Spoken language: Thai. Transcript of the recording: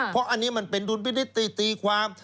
เพราะอันนี้มันเป็นดุลพินิษฐ์ตีความ